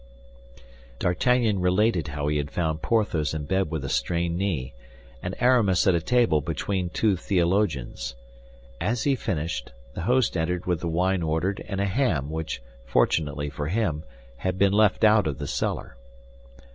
D'Artagnan related how he had found Porthos in bed with a strained knee, and Aramis at a table between two theologians. As he finished, the host entered with the wine ordered and a ham which, fortunately for him, had been left out of the cellar.